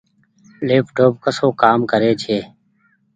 ليپ ٽوپ ڪسو ڪآ ڪري ڇي ۔